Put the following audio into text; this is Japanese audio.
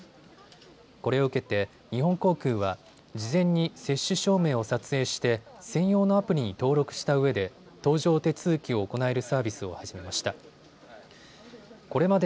これを受けて日本航空は事前に接種証明を撮影して専用のアプリに登録したうえで搭乗手続きを行えるサービスを始めました。